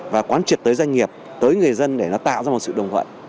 và quán triệt tới doanh nghiệp tới người dân để nó tạo ra một sự đồng thuận